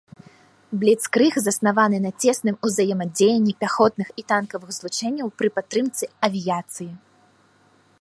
Бліцкрыг заснаваны на цесным узаемадзеянні пяхотных і танкавых злучэнняў пры падтрымцы авіяцыі.